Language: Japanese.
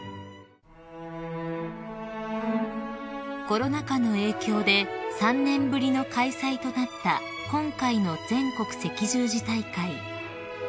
［コロナ禍の影響で３年ぶりの開催となった今回の全国赤十字大会］